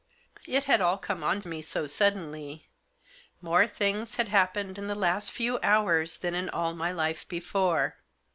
It had all come on me so suddenly. More things had happened in a few hours than in all my life before.